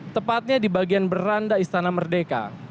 tepatnya di bagian beranda istana merdeka